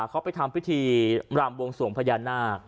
เขาไปทำพิธีรำวงสวงพญานาค